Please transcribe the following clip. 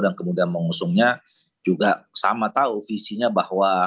dan kemudian mengusungnya juga sama tahu visinya bahwa